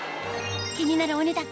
気になるお値段